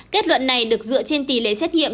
kết luận này được dựa trên tỷ lệ xét nghiệm